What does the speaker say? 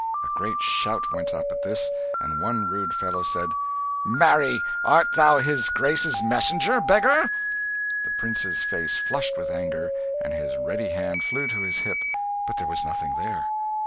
A great shout went up at this, and one rude fellow said "Marry, art thou his grace's messenger, beggar?" The prince's face flushed with anger, and his ready hand flew to his hip, but there was nothing there.